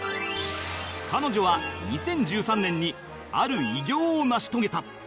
彼女は２０１３年にある偉業を成し遂げた